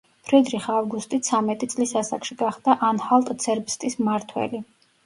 ფრიდრიხ ავგუსტი ცამეტი წლის ასაკში გახდა ანჰალტ-ცერბსტის მმართველი.